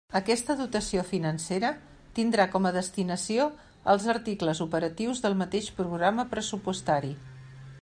Aquesta dotació financera tindrà com a destinació els articles operatius del mateix programa pressupostari.